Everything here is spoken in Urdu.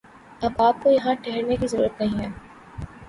اب آپ کو یہاں ٹھہرنے کی ضرورت نہیں ہے